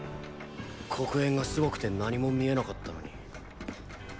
黒煙がスゴくて何も見えなかったのに。